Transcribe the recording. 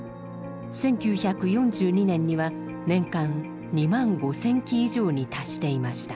１９４２年には年間２万５，０００機以上に達していました。